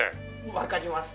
わかります。